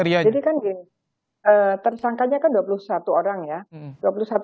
ya jadi kan tersangkanya kan dua puluh satu orang ya